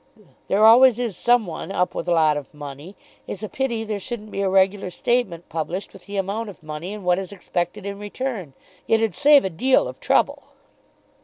There always is some one up with a lot of money. It's a pity there shouldn't be a regular statement published with the amount of money, and what is expected in return. It 'd save a deal of trouble."